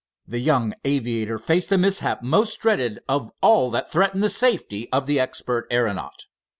The young aviator faced a mishap most dreaded of all that threaten the safety of the expert aeronaut.